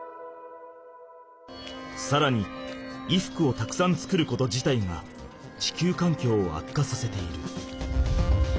さらに衣服をたくさん作ること自体が地球環境を悪化させている。